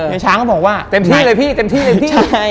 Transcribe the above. ไอ้ช้างครับพี่ที่ว่าเต็มที่เลยพี่